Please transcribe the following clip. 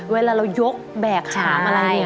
เวลาเรายกแบกขามอะไร